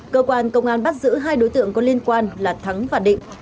cơ quan công an bắt giữ hai đối tượng có liên quan là thắng và định